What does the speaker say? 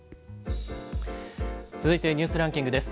続いてニュースランキングです。